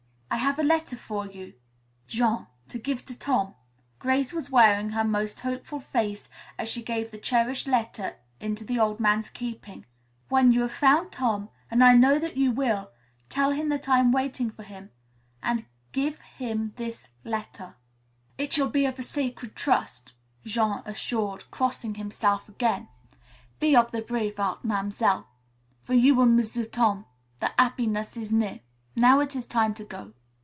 "I have a letter for you, Jean, to give to Tom." Grace was wearing her most hopeful face as she gave the cherished letter into the old man's keeping. "When you have found Tom, and I know that you will, tell him that I am waiting for him and give him this letter." [Illustration: "When You Have Found Tom, Give Him This Letter."] "It shall be of a sacred trust," Jean assured, crossing himself again. "Be of the brav' heart, Mam'selle. For you and M'sieu' Tom the 'appiness is near. Now it is time to go."